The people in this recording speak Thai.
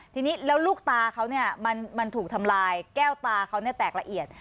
ทีนี้แล้วลูกตาเขาเนี่ยมันถูกทำลายแก้วตาเขาแตกละเอียด